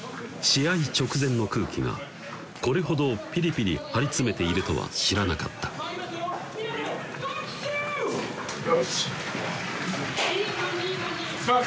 試合直前の空気がこれほどピリピリ張り詰めているとは知らなかったよし！